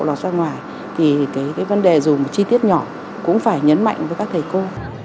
nếu không có lộ lọt ra ngoài thì cái vấn đề dù một chi tiết nhỏ cũng phải nhấn mạnh với các thầy cô